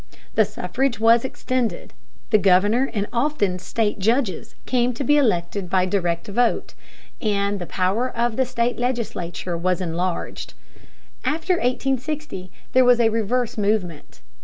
The suffrage was extended, the governor and often state judges came to be elected by direct vote, and the power of the state legislature was enlarged. After 1860 there was a reverse movement.